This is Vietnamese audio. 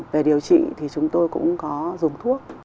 về điều trị thì chúng tôi cũng có dùng thuốc